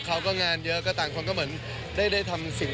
หมดทั้งคะแนนดีกว่าครับ